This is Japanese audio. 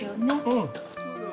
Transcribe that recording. うん。